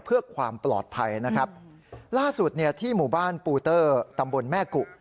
เพื่อความปลอดภัยนะครับล่าสุดเนี่ยที่หมู่บ้านปูเตอร์ตำบลแม่กุ